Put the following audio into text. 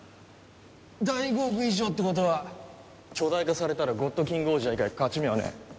ダイゴーグ以上ってことは巨大化されたらゴッドキングオージャー以外勝ち目はねえ。